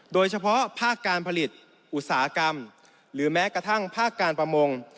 โดยเฉพาะภาคการผลิตอุตสาหกรรมหรือแม้กระทั่งภาคการประมง